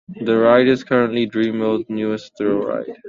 The ride is currently Dreamworld newest thrill ride.